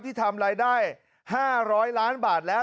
ทำรายได้๕๐๐ล้านบาทแล้ว